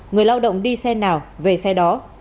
người lao động đi xe nào về xe đó